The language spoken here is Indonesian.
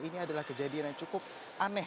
ini adalah kejadian yang cukup aneh